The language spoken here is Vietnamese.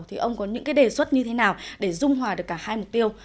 thì ông có những cái đề xuất như thế nào để dung hòa được cả hai mục tiêu